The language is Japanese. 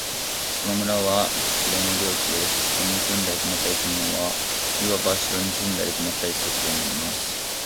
この村は城の領地です。ここに住んだり泊ったりする者は、いわば城に住んだり泊ったりすることになります。